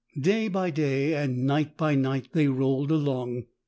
" Day by day and night by night they rolled along.